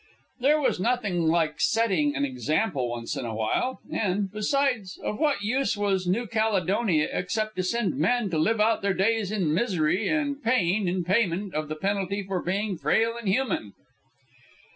There was nothing like setting an example once in a while; and, besides, of what use was New Caledonia except to send men to live out their days in misery and pain in payment of the penalty for being frail and human?